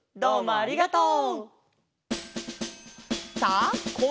ありがとう。